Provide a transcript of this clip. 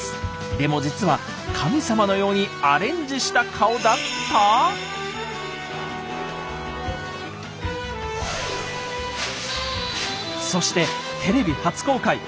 でも実は神様のようにアレンジした顔だった⁉そしてテレビ初公開！